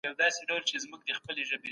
د علم کارول د انسان د کرامت لپاره لازم دی.